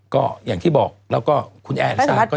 ก็อย่างที่บอกแล้วก็คุณแอร์และซานก็อีกแล้ว